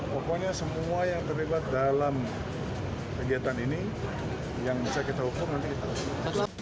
pokoknya semua yang terlibat dalam kegiatan ini yang bisa kita hukum nanti kita lakukan